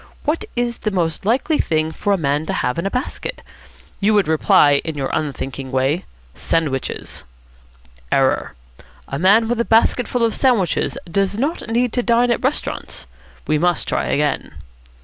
What is the most likely thing for a man to have in a basket? You would reply, in your unthinking way, 'sandwiches.' Error. A man with a basketful of sandwiches does not need to dine at restaurants. We must try again."